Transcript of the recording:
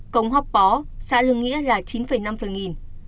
cống hóc bó xã lương nghĩa là chín năm phần nghìn